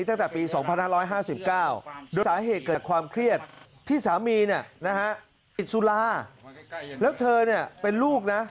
ที่สามีติดสุราแล้วเธอเป็นลูกนะ